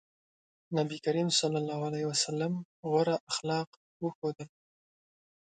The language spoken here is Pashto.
نبي کريم ص غوره اخلاق وښودل.